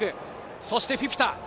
そしてフィフィタ。